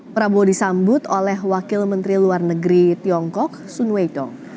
prabowo disambut oleh wakil menteri luar negeri tiongkok sun weto